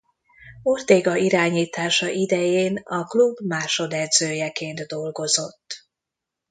Ortega irányítása idején a klub másodedzőjeként dolgozott.